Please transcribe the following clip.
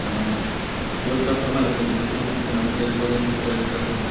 De otra forma la publicación de este material puede afectar el caso judicial.